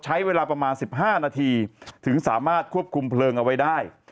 ใช้เวลาประมาณ๑๕นาทีถึงสามารถควบคุมเพลิงเอาไว้ได้